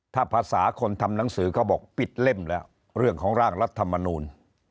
ถ้าภาษาคนทำหนังสือเขาบอกปิดเล่มแล้วเรื่องของร่างรัฐมนูล